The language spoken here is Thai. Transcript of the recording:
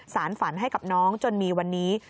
สารฝันให้กับน้องจนมีวันนี้